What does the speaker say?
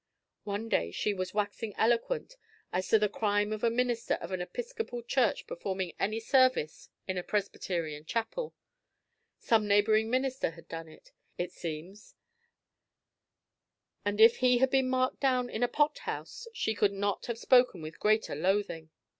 One day she was waxing eloquent as to the crime of a minister of an Episcopal church performing any service in a Presbyterian chapel. Some neighbouring minister had done it, it seems; and if he had been marked down in a pot house she could not have spoken with greater loathing.